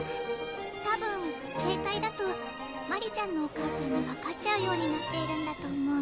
多分携帯だと鞠莉ちゃんのお母さんに分かっちゃうようになっているんだと思う。